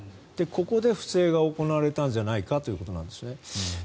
ここで不正が行われたんじゃないかということなんですね。